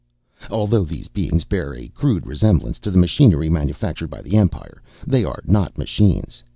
Although these beings bear a crude resemblance to the machinery manufactured by the Empire, they are not machines.